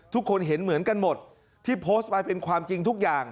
ทุกคนเห็นเหมือนกันหมดที่โพสต์ไปเป็นความจริงทุกอย่าง